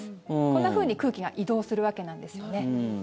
こんなふうに空気が移動するわけなんですよね。